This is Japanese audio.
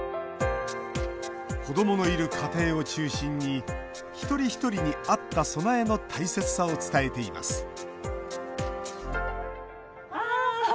子どものいる家庭を中心に一人一人に合った備えの大切さを伝えています。